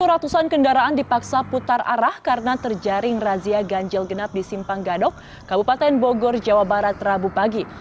ratusan kendaraan dipaksa putar arah karena terjaring razia ganjil genap di simpang gadok kabupaten bogor jawa barat rabu pagi